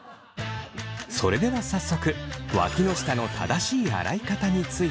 それでは早速わきの下の正しい洗い方について。